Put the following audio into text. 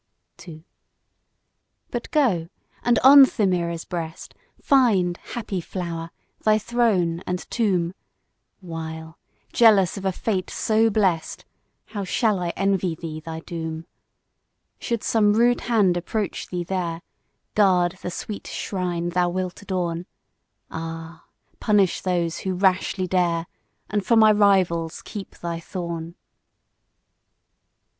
II. But go! and on Themira's breast Find, happy flower! thy throne and tomb; While, jealous of a fate so blest, How shall I envy thee thy doom! Should some rude hand approach thee there, Guard the sweet shrine thou wilt adorn; Ah! punish those who rashly dare, And for my rivals keep thy thorn.